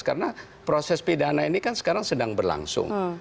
karena proses pidana ini kan sekarang sedang berlangsung